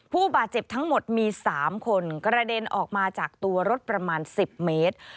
ผู้บาดเจ็บทั้งหมดมี๓คนกระเด็นออกมาจากตัวรถประมาณ๑๐เมตร